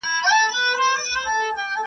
پلار یې ویل څارنوال ته وخت تېرېږي,